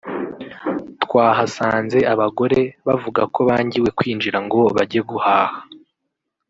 twahasanze abagore bavuga ko bangiwe kwinjira ngo bajye guhaha